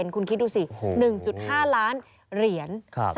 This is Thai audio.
คุณคิดดูสิ๑๕ล้านเหรียญ